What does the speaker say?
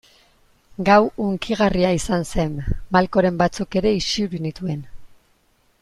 Gau hunkigarria izan zen, malkoren batzuk ere isuri nituen.